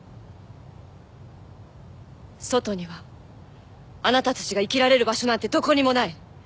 外にはあなたたちが生きられる場所なんてどこにもない。